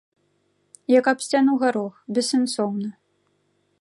Як аб сцяну гарох, бессэнсоўна.